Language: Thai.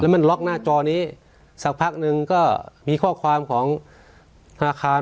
มันล็อกหน้าจอนี้สักพักหนึ่งก็มีข้อความของธนาคาร